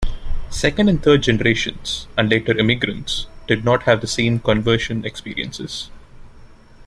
Second and third generations, and later immigrants, did not have the same conversion experiences.